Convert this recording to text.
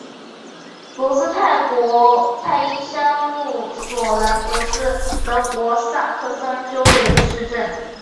罗茨泰因山麓索兰德是德国萨克森州的一个市镇。